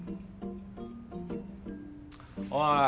おい。